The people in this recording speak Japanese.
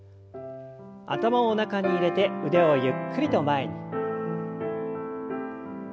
頭を中に入れて腕をゆっくりと前に。